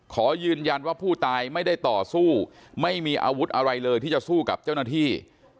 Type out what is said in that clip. ขอยืนยันว่าผู้ตายไม่ได้ต่อสู้ไม่มีอาวุธอะไรเลยที่จะสู้กับเจ้าหน้าที่